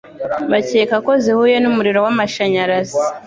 bakeka ko zihuye n'umuriro w'amashanyarazi.